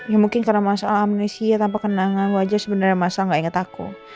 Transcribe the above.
ya mungkin karena masal amnesia tanpa kenangan wajah sebenernya masal gak inget aku